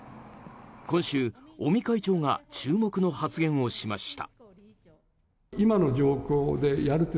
今週、尾身会長が注目の発言をしました。